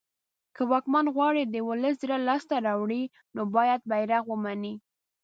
که واکمن غواړی د ولس زړه لاس ته راوړی نو باید ملی بیرغ ومنی